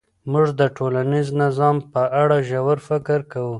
موږ د ټولنیز نظام په اړه ژور فکر کوو.